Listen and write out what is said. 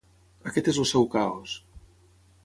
Aquest és el seu caos.